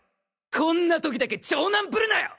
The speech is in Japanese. こんな時だけ長男ぶるなよ！